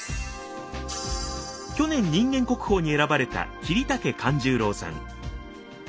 去年人間国宝に選ばれた桐竹勘十郎さん。